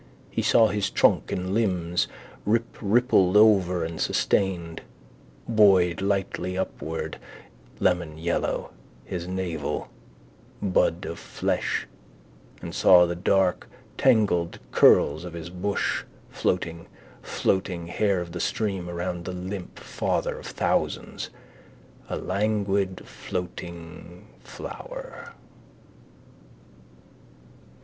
He saw his trunk and limbs riprippled over and sustained, buoyed lightly upward, lemonyellow: his navel, bud of flesh: and saw the dark tangled curls of his bush floating, floating hair of the stream around the limp father of thousands, a languid floating flower.